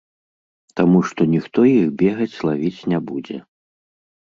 Таму што ніхто іх бегаць лавіць не будзе.